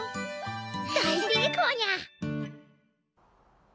大成功にゃ！